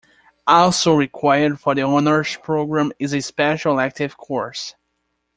Also required for the Honors program is a special elective course.